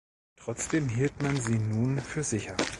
Trotzdem hielt man sie nun für sicher.